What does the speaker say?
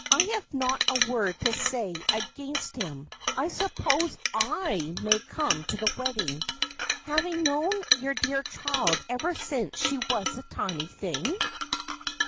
I have not a word to say against him. I suppose /may come to the wedding, having known yuiir dear child ever since she was a tiny thing